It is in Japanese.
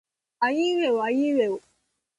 あいうえおあいうえお